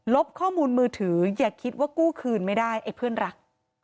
บข้อมูลมือถืออย่าคิดว่ากู้คืนไม่ได้ไอ้เพื่อนรัก